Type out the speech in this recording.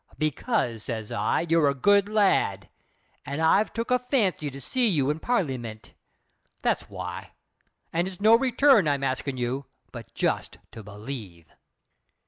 Because, says I, you're a good lad, and I've took a fancy to see you in Parlyment. That's why. An' it's no return I'm askin' you, but just to believe!"